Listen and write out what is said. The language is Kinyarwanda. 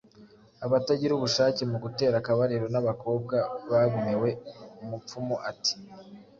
Abatagira ubushake mu gutera akabariro n’abakobwa bagumiwe, umupfumu ati